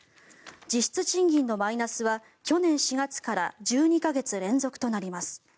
実質賃金のマイナスは去年４月から１２か月連続となります。